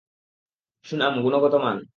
সুনাম, গুণগত মান।